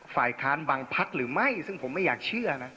ฝ่ายค้านบางพักหรือไม่ซึ่งผมไม่อยากเชื่อนะ